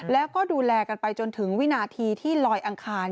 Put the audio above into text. แล้วก็ดูแลกันไปจนถึงวินาทีที่ลอยอังคาร